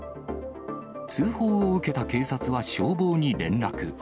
通報を受けた警察は消防に連絡。